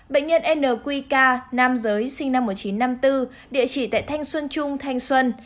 bệnh nhân nqk nam giới sinh năm một nghìn chín trăm năm mươi bốn địa chỉ tại thanh xuân trung thanh xuân